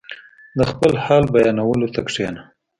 • د خپل حال بیانولو ته کښېنه.